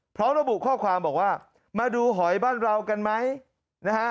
พร้อมระบุข้อความบอกว่ามาดูหอยบ้านเรากันไหมนะฮะ